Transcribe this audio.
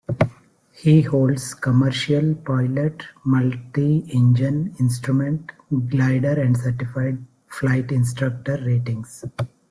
He holds commercial pilot, multi-engine instrument, glider and certified flight instructor ratings.